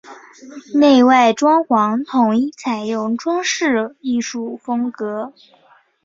内外装潢统一采用装饰艺术风格。